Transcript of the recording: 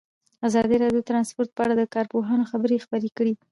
ازادي راډیو د ترانسپورټ په اړه د کارپوهانو خبرې خپرې کړي.